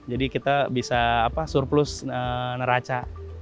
jadi kita bisa surplus neraca